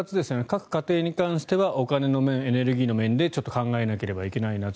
各家庭に関してはお金の面エネルギーの面で考えなければいけない夏